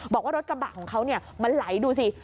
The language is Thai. บอกว่ารถกระบะของเขามันไหลดูสิ